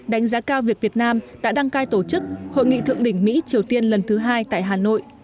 đánh giá cao việc việt nam đã đăng cai tổ chức hội nghị thượng đỉnh mỹ triều tiên lần thứ hai tại hà nội